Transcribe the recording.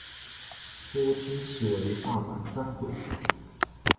多称其为大阪单轨铁路。